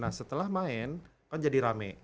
nah setelah main kan jadi rame